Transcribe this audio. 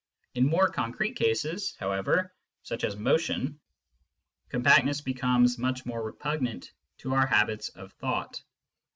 In more concrete cases, however, such as motion, compactness becomes much more repugnant to our habits of thought.